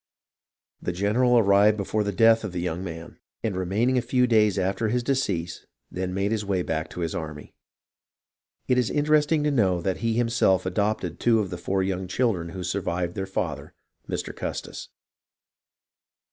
The general arrived before the death of the young man, and remaining a few days after his decease, then made his way back to his army. It is interesting to know that he him self adopted two of the four young children who survived their father, Mr. Custis.